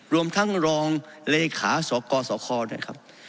รวมทั้งรองเลขาสอบกสอบคด้วยครับ